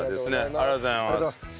ありがとうございます。